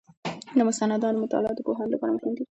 د مستنداتو مطالعه د پوهاندانو لپاره مهمه ده.